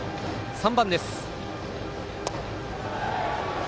３番です。